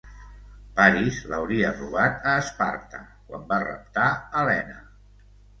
Paris l'hauria robat a Esparta quan va raptar Helena.